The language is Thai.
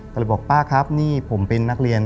ก็เลยบอกป้าครับนี่ผมเป็นนักเรียน